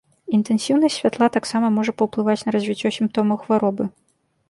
Інтэнсіўнасць святла таксама можа паўплываць на развіццё сімптомаў хваробы.